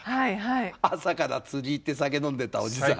朝から釣り行って酒飲んでたおじさん。